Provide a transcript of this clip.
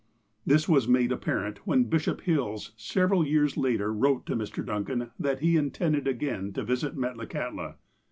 This was made apparent, when Bishop Hills, several years later, wrote to Mr. Duncan that he intended again to visit Metlakahtla.